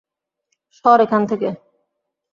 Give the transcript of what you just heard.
সর এখানে থেকে!